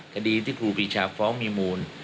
คดีที่ครูปีชาฟ้องมีมูล